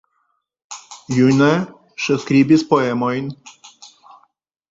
June ŝi skribis poemojn.